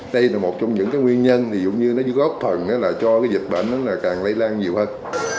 đây là một trong những nguyên nhân giống như nó góp phần cho dịch bệnh càng lây lan nhiều hơn